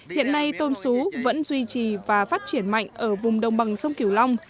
hiện nay tôm xú vẫn duy trì và phát triển mạnh ở vùng đồng bằng sông kiều long